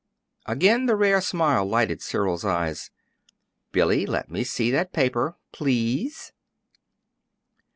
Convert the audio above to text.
Again the rare smile lighted Cyril's eyes. "Billy, let me see that paper please."